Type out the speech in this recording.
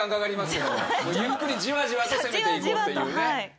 ゆっくりじわじわと攻めていこうというね。